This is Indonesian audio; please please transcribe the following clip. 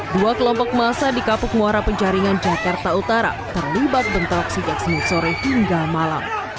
dua kelompok massa di kapuk muara penjaringan jakarta utara terlibat bentrok sejak senin sore hingga malam